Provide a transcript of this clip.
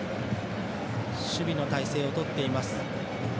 守備の態勢をとっています。